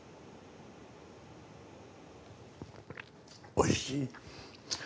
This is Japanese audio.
おいしい。